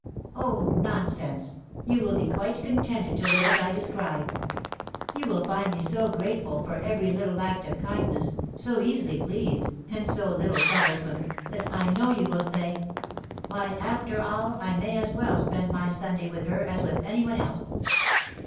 "Oh, nonsense! you will be quite contented to live as I describe. You will find me so grateful for every little act of kindness, so easily pleased, and so little troublesome, that I know you will say, 'Why, after all, I may as well spend my Sunday with her as with any one else.'